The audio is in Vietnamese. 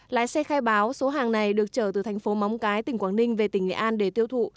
lái xe khai báo số hàng này được trở từ thành phố móng cái tỉnh quảng ninh về tỉnh nghệ an để tiêu thụ